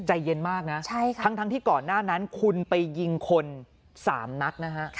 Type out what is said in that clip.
ใจเย็นมากนะทั้งที่ก่อนหน้านั้นคุณไปยิงคน๓นัดนะฮะ